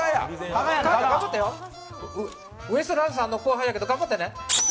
ウエストランドさんの後輩やけど頑張ってね。